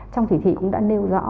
trong chỉ thị cũng đã nêu rõ